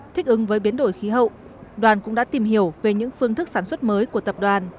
thích ứng với biến đổi khí hậu đoàn cũng đã tìm hiểu về những phương thức sản xuất mới của tập đoàn